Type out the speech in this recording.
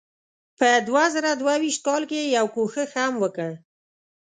په دوه زره دوه ویشت کال کې یې یو کوښښ هم وکړ.